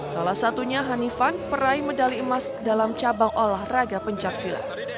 salah satunya hanifan meraih medali emas dalam cabang olahraga pemkap silat